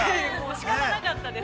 ◆仕方がなかったです。